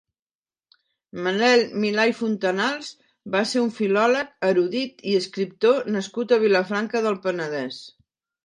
Manel Milà i Fontanals va ser un filòleg, erudit i escriptor nascut a Vilafranca del Penedès.